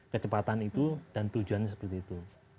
kecepatan itu dan tujuannya seperti itu